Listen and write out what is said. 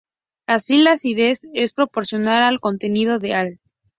Así, la acidez es proporcional al contenido de Al.